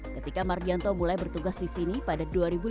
ketika mardianto mulai bertugas di sini pada dua ribu dua belas